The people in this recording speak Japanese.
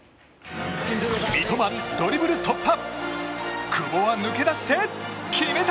三笘、ドリブル突破！